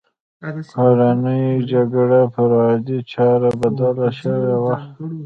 کورنۍ جګړه پر عادي چاره بدله شوې وه